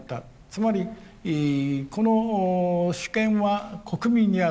つまりこの主権は国民にある。